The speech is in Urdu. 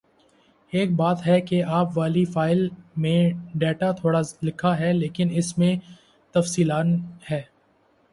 ایک بات ہے کہ آپ والی فائل میں ڈیٹا تھوڑا لکھا ہے لیکن اس میں تفصیلاً ہے